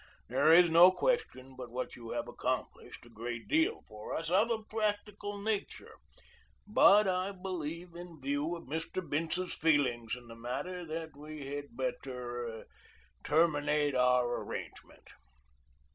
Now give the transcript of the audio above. There is no question but what you have accomplished a great deal for us of a practical nature, but I believe in view of Mr. Bince's feelings in the matter that we had better terminate our arrangement."